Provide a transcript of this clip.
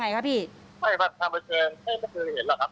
แต่ว่าเดี๋ยวรู้รู้ข่าวมากครับครับ